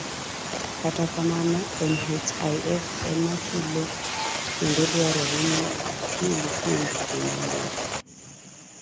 Kata kamano, nhif ema chulo kendo dwarore ni ichul kuom tije mamoko.